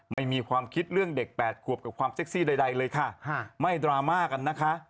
ไม่มีความคิดเรื่องเด็ก๘ขวบกับความเซ็กซี่ใดเลยค่ะไม่ดราม่ากันนะคะ